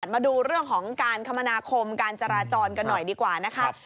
มาดูเรื่องของการคมนาคมการจราจรกันหน่อยดีกว่านะครับ